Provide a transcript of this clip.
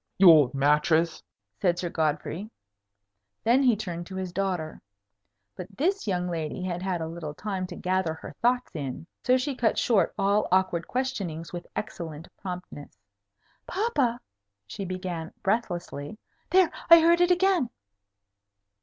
"You old mattrass!" said Sir Godfrey. Then he turned to his daughter. But this young lady had had a little time to gather her thoughts in. So she cut short all awkward questionings with excellent promptness. "Papa!" she began, breathlessly. "There! I heard it again!"